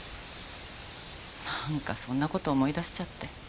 なんかそんな事思い出しちゃって。